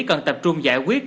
cần tập trung giải quyết